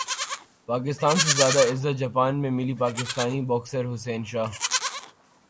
پاکستان سے زیادہ عزت جاپان میں ملی پاکستانی باکسر حسین شاہ